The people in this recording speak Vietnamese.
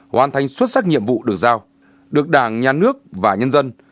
hoàn thành xuất sắc nhiệm vụ được giao được đảng nhà nước và nhân dân